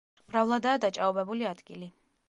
მრავლადაა დაჭაობებული ადგილი.